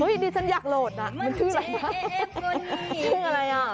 อีดีฉันอยากโหลดนะมันชื่ออะไรชื่ออะไรอ่ะ